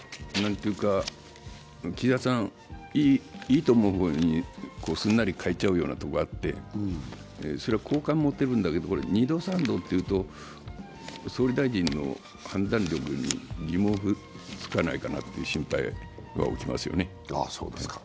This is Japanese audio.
岸田さん、いいと思う方向にすんなり変えちゃうところがあってこれ好感を持てるんだけれども、２度３度というと総理大臣の判断力に疑問符、つかないかなって心配が起きますよね。